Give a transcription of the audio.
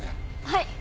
はい。